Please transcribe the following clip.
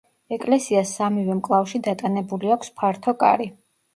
ეკლესიას სამივე მკლავში დატანებული აქვს ფართო კარი.